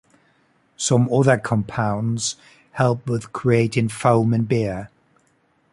Some other compounds help with creating foam in beer.